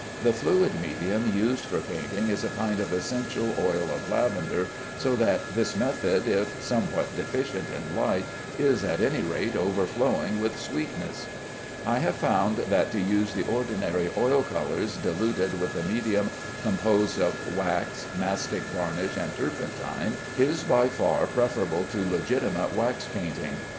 The fluid medium used for painting is a kind of essential oil of lavender, so that this method, if somewhat deficient in light, is at any rate overflowing with sweetness. I have found that to use the ordinary oil colors diluted with a medium composed of wax, mastic varnish and turpentine, is by far preferable to legitimate wax painting.